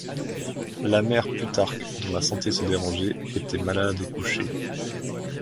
La mère Plutarque dont la santé se dérangeait était malade et couchée.